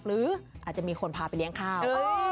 หรืออาจจะมีคนพาไปเลี้ยงข้าว